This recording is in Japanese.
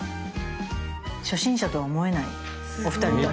初心者とは思えないお二人とも。